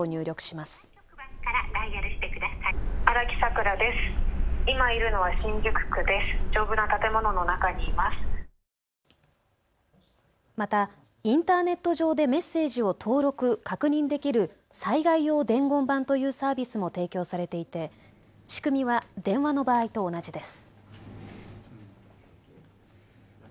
またインターネット上でメッセージを登録・確認できる災害用伝言版というサービスも提供されていて仕組みは電話の場合と同じです。